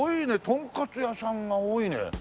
とんかつ屋さんが多いね。